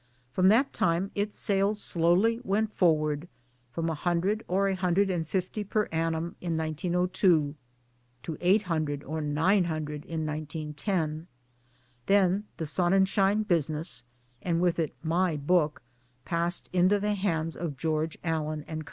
From that time its sales slowly went forward from a hundred or a hundred and fifty per annum in 1902, to eight hundred or nine hundred in 1910, when the Sonnenschein business, and with it my book^ passed into the hands of George Allen & Co.